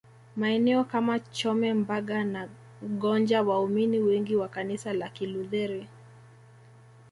Maeneo kama Chome Mbaga na Gonja waumini wengi wa Kanisa la Kilutheri